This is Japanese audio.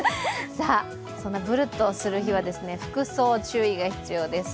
そんなぶるっとする日は服装、注意が必要です。